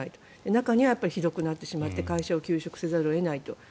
中にはひどくなってしまって会社を休職せざるを得ないと。